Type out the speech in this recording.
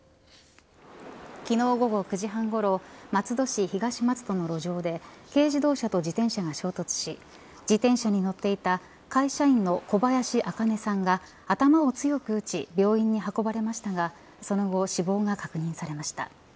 昨日午後９時半ごろ松戸市東松戸の路上で軽自動車と自転車が衝突し自転車に乗っていた会社員の小林茜さんが頭を強く打ち病院に運ばれましたがその後、死亡が確認されました。